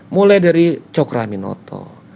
mulai dari cokraminoto